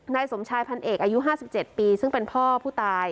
นายสมชายพันเอกอายุ๕๗ปีซึ่งเป็นพ่อผู้ตาย